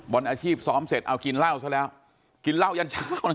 อาชีพซ้อมเสร็จเอากินเหล้าซะแล้วกินเหล้ายันเช้า